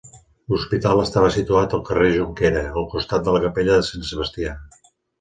L'hospital estava situat al carrer Jonquera, al costat de la capella de Sant Sebastià.